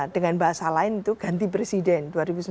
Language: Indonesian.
dengan bahasa lain itu ganti presiden dua ribu sembilan belas